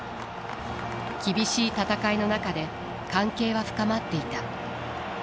厳しい戦いの中で関係は深まっていた。